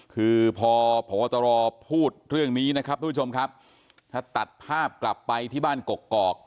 คือพอพวตรว์พูดเรื่องนี้ถ้าตัดภาพกลับไปที่บ้านกอก